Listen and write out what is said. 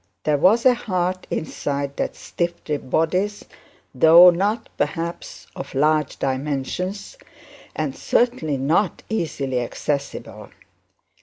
There was a heart inside that stiff ribbed bodice, though not, perhaps, of large dimensions, and certainly not easily accessible.